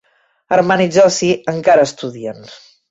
Armand i Josie encara estudien.